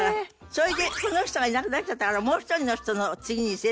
それでその人がいなくなっちゃったからもう１人の人の次にせりふが。